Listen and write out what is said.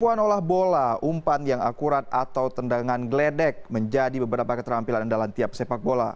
kemampuan olah bola umpan yang akurat atau tendangan gledek menjadi beberapa keterampilan dalam tiap sepak bola